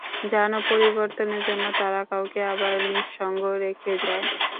জানো, পরিবর্তনের জন্য তারা কাউকে আবার নিঃসঙ্গ রেখে যায়।